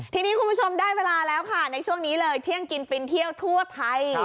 ทีนี้คุณผู้ชมได้เวลาแล้วค่ะในช่วงนี้เลยเที่ยงกินฟินเที่ยวทั่วไทย